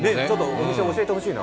お店教えてほしいな。